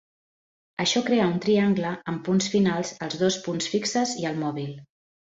Això crea un triangle amb punts finals als dos punts fixes i el mòbil.